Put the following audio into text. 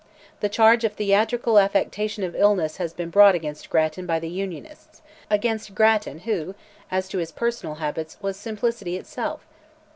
The charge of theatrical affectation of illness has been brought against Grattan by the Unionists,—against Grattan who, as to his personal habits, was simplicity itself!